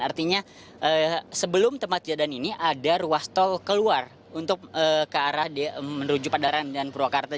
artinya sebelum tempat kejadian ini ada ruas tol keluar untuk ke arah menuju padaran dan purwakarta